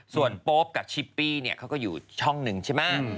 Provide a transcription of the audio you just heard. ส่วนโป๊ปกับชิปปี้เนี่ยเขาก็อยู่ช่องหนึ่งใช่ไหม